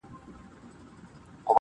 • سل زنځیره مي شلولي دي ازاد یم..